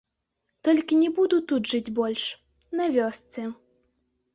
Толькі не буду тут жыць больш, на вёсцы.